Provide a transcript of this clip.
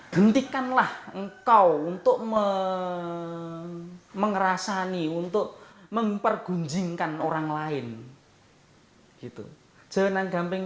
deng dikanlah engkau untuk mengerasani untuk mempergunjingkan orang lain gitu jenang gamping